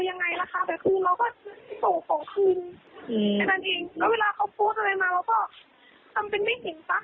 เราก็ทำเป็นไม่เห็นปะ